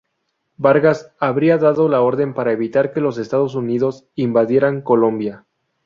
Vargas habría dado la orden para evitar que los Estados Unidos invadieran Colombia.